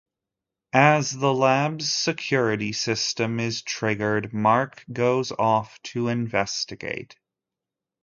As the lab's security system is triggered, Mark goes off to investigate.